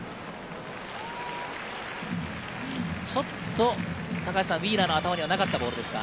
ちょっとウィーラーの頭にはなかったボールですか？